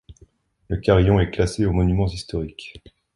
Le carillon est classé aux monuments historiques.